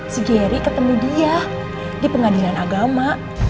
si jerry ketemu dia di pengadilan agama